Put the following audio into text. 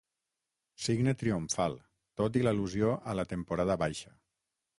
Signe triomfal, tot i l'al·lusió a la temporada baixa.